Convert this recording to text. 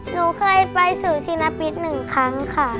หนูเคยไปศูนย์ศิลปิศหนึ่งครั้งค่ะ